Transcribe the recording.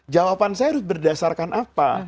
jawaban saya harus berdasarkan apa